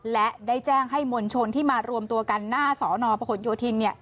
ได้แจ้งให้มวลชนที่มารวมตัวกันหน้าสอนอประคุณโยธินเนี่ย